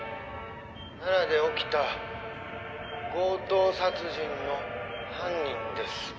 「奈良で起きた強盗殺人の犯人です」